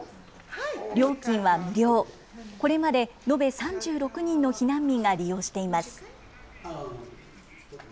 料金は無料、これまで延べ３６人の避難民が利用しています。